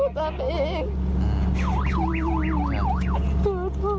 หนูจะให้เขาเซอร์ไพรส์ว่าหนูเก่ง